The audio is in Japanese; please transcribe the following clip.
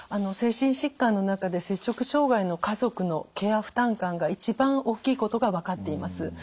精神疾患の中で摂食障害の家族のケア負担感が一番大きいことが分かっています。